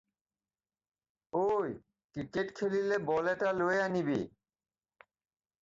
ঐ, ক্ৰিকেট খেলিলে বল এটা লৈ আনিবি।